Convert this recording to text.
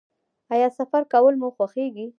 ایا سفر کول مو خوښیږي؟